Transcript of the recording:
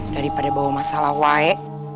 daripada bawa masalah wae